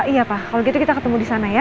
iya pak kalau gitu kita ketemu disana ya